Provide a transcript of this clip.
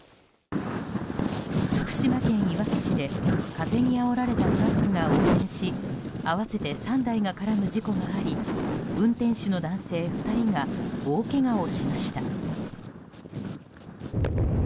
福島県いわき市で風にあおられたトラックが横転し合わせて３台が絡む事故があり運転手の男性２人が大けがをしました。